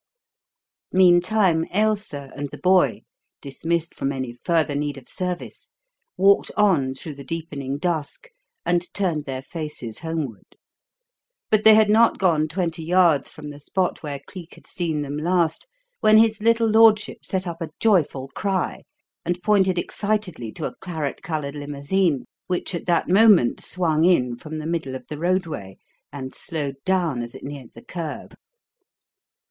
Meantime Ailsa and the boy, dismissed from any further need of service, walked on through the deepening dusk and turned their faces homeward. But they had not gone twenty yards from the spot where Cleek had seen them last when his little lordship set up a joyful cry and pointed excitedly to a claret coloured limousine which at that moment swung in from the middle of the roadway and slowed down as it neared the kerb.